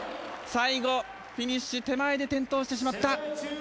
最後フィニッシュ手前で転倒してしまった。